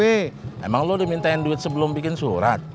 emang lo dimintain duit sebelum bikin surat